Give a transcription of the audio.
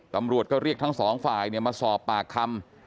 ตำรวจก็เรียกทั้งสองฝ่ายมาสอบปากคำ